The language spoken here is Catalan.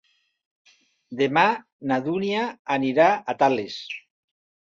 Demà na Dúnia anirà a Tales.